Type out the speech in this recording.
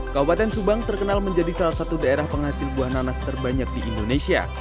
kabupaten subang terkenal menjadi salah satu daerah penghasil buah nanas terbanyak di indonesia